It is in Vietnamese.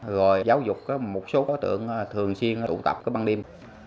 rồi giáo dục một số đối tượng thường xuyên tụ tập băng đêm